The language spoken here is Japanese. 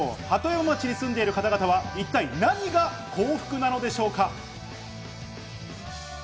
鳩山町に住んでいる方々は一体何が幸福なのでしょうか。